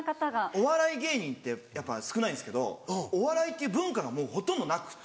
お笑い芸人ってやっぱ少ないんですけどお笑いっていう文化がもうほとんどなくて。